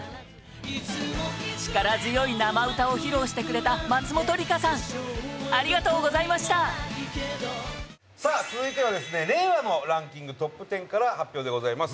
力強い生歌を披露してくれた松本梨香さんありがとうございました伊達：さあ、続いてはですね令和のランキングトップ１０から発表でございます。